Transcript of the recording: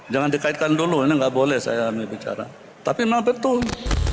jangan dikaitkan dulu ini nggak boleh saya bicara tapi memang betul